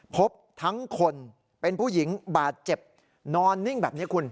พบทั้งคนเป็นผู้หญิงบาดเจ็บนอนนิ่งแบบนี้คุณ